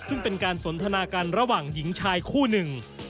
ซึ่งเป็นการสนทนากันระหว่างหญิงชายคู่หนึ่ง